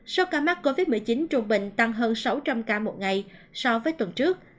số ca mắc covid một mươi chín trung bình tăng hơn sáu trăm linh ca một ngày so với tuần trước